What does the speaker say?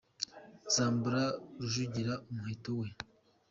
zambura Rujugira umuheto we.